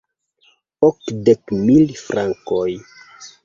Okdek mil frankoj!